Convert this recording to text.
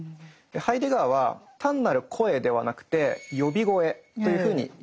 ハイデガーは単なる「声」ではなくて「呼び声」というふうに呼んでいます。